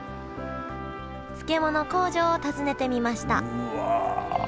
漬物工場を訪ねてみましたうわ。